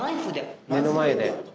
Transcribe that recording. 目の前で？